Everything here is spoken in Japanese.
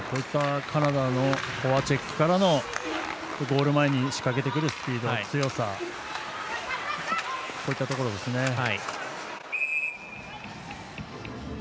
カナダのフォアチェックからのゴール前に仕掛けてくるスピード強さ、こういったところですね。